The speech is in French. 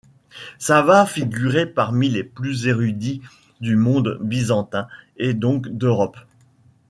Sava figurait parmi les plus érudits du monde byzantin et donc d'Europe.